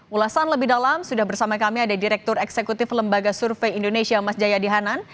ulasan lebih dalam sudah bersama kami ada direktur eksekutif lembaga survei indonesia mas jayadi hanan